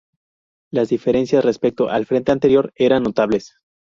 Las diferencias respecto al frente anterior eran notables.